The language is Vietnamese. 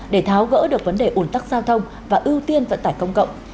để tháo gỡ được vấn đề ủn tắc giao thông và ưu tiên vận tải công cộng